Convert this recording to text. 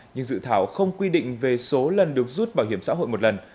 nhưng dự thảo không quy định về số lần được rút bảo hiểm xã hội một lần